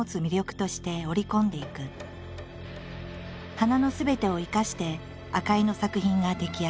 花のすべてを生かして赤井の作品が出来上がる。